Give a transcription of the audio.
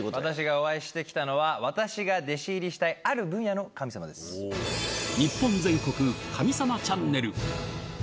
私がお会いしてきたのは、私が弟子入りしたい、日本全国神様チャンネル。